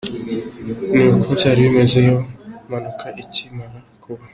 Ni uku byari bimeze iyo mpanuka ikimara kuba.